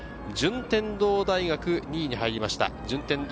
順天堂大学２位に入りました。